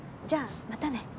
じゃあまたね。